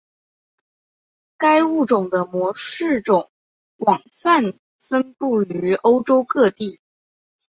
该物种的模式种广泛分布于欧洲各地。